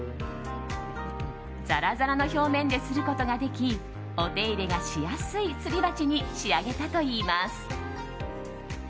ザラザラの表面ですることができお手入れがしやすいすり鉢に仕上げたといいます。